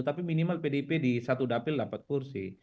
tapi minimal pdip di satu dapil dapat kursi